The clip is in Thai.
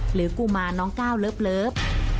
กุมารน้องก้าวเลิฟ